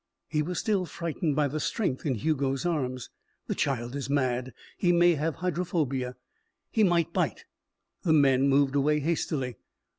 He was still frightened by the strength in Hugo's arms. "The child is mad. He may have hydrophobia. He might bite." The men moved away hastily.